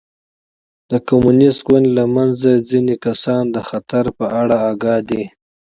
د کمونېست ګوند له منځه ځیني کسان د خطر په اړه اګاه دي.